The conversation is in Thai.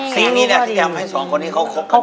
สิ่งนี้แหละที่อยากให้๒คนนี้เขาคบกันได้